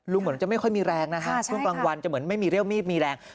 ลุงเหมือนก็จะไม่ค่อยมีแรงนะครับช่วงกลางวันจะไม่มีเรียวมีพลีมีแรง